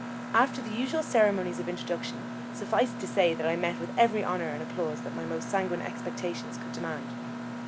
After the usual ceremonies of introduction, suffice it to say that I met with every honour and applause that my most sanguine expectations could demand.